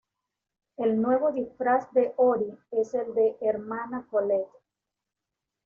El nuevo disfraz de Ory es el de "Hermana Colette".